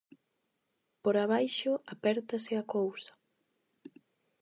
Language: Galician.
Por abaixo apértase a cousa.